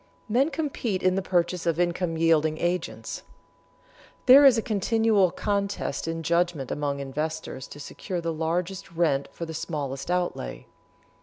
Men compete in the purchase of income yielding agents. There is a continual contest in judgment among investors to secure the largest rent for the smallest outlay.